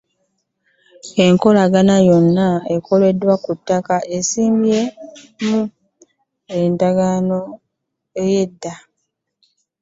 Enkolagana yonna ekoleddwa ku ttaka esimba mu ndagaano y'olwenda.